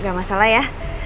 gak masalah ya